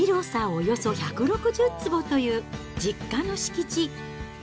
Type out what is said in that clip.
およそ１６０坪という実家の敷地。